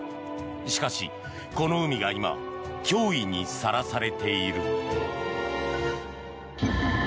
しかし、この海が今脅威にさらされている。